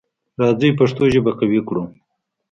راځی پښتو ژبه قوي کړو.